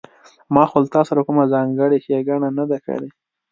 ما خو له تاسره کومه ځانګړې ښېګڼه نه ده کړې